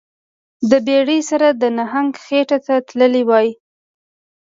د بیړۍ سره د نهنګ خیټې ته تللی وای